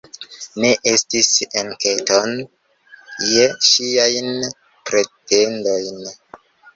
Ne estis enketon je ŝiajn pretendojn.